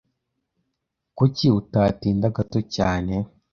Kuki utatinda gato cyane?